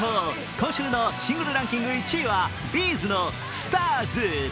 今週のシングルランキング１位はＢ’ｚの「ＳＴＡＲＳ」。